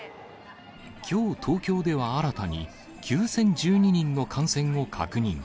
きょう、東京では新たに９０１２人の感染を確認。